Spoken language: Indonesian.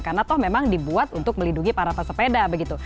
karena toh memang dibuat untuk melindungi para pesepeda begitu